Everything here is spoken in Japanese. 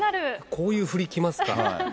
こういう振り、きますか。